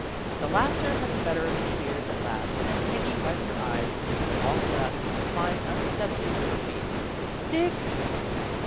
The laughter had the better of the tears at last and Peggy wiped her eyes, took a long breath, and climbed unsteadily to her feet. " Dick."